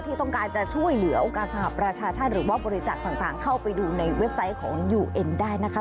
ที่ต้องการจะช่วยเหลือโอกาสสหประชาชาติหรือว่าบริจาคต่างเข้าไปดูในเว็บไซต์ของยูเอ็นได้นะคะ